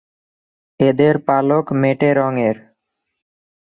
এদের পালক মেটে রঙের।